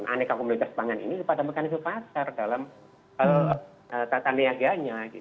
aneka komoditas pangan ini kepada mekanisme pasar dalam tata niaganya